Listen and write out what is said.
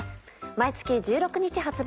毎月１６日発売。